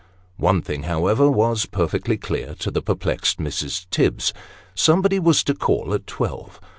One thing, however, was perfectly clear to the perplexed Mrs. Tibbs. Somebody was to call at twelve.